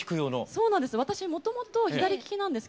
そうなんです。